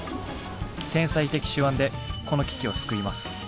天才的手腕でこの危機を救います。